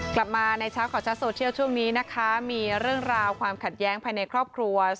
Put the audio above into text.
กลับมาในเช้าข่าวชัดโซเชียลช่วงนี้นะคะมีเรื่องราวความขัดแย้งภายในครอบครัว